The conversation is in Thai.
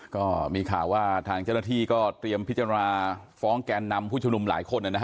ก็มีข่าวว่าทางเจ้าหน้าที่ก็เตรียมพิจารณาฟ้องแกนนำผู้ชุมนุมหลายคน